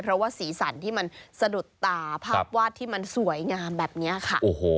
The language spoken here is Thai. เพราะว่าสีสันที่มันสะดุดตาภาพวาดที่มันสวยงามแบบนี้ค่ะ